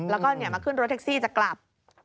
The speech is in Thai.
แล้วก็มาขึ้นรถแท็กซี่จะกลับ